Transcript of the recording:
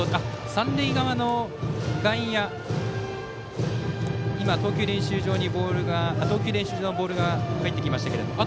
三塁側の外野、投球練習場のボールが入ってきましたけども。